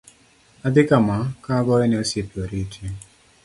Adhi kama ka agoyo ne osiepe oriti.